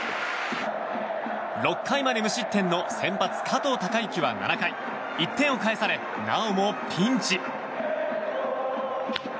６回まで無失点の先発、加藤貴之は７回なおもピンチ。